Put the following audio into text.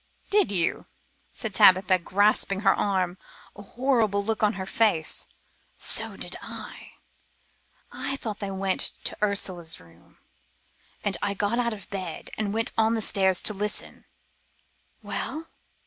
"Did you?" said Tabitha, grasping her arm, a horrible look on her face. "So did I. I thought they went to Ursula's room, and I got out of bed and went on the stairs to listen." "Well?"